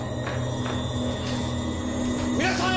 皆さん！